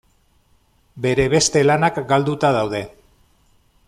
Bere beste lanak galduta daude.